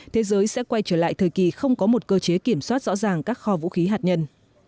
thế giới sẽ quay trở lại thời kỳ không có một cơ chế kiểm soát rõ ràng các kho vũ khí hạt nhân